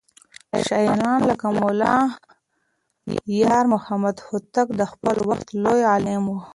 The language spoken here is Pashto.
شاعران لکه ملا يارمحمد هوتک د خپل وخت لوى عالم و.